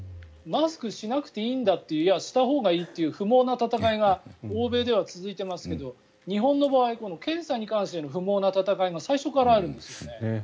マスクをしなくていいんだいや、したほうがいいという不毛な闘いが欧米では続いてますけど日本の場合検査に関しての不毛な闘いが最初からあるんですよね。